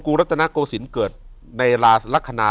อยู่ที่แม่ศรีวิรัยิลครับ